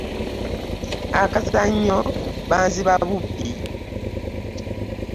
Akazannyo banziba bubbi.